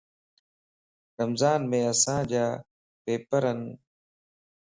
رمضانم اسانجا پيپرن